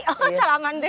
oh salaman dei